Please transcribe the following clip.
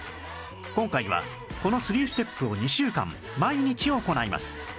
今回はこの３ステップを２週間毎日行います